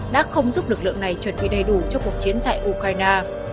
đã không giúp lực lượng này chuẩn bị đầy đủ cho cuộc chiến tại ukraine